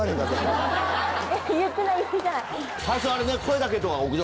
言ってない言ってない。